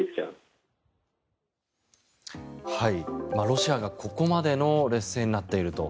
ロシアがここまでの劣勢になっていると。